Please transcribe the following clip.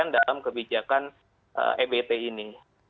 dalam kebijakan ebt ini